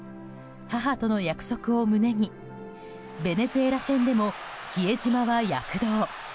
母との約束を胸にベネズエラ戦でも比江島は躍動。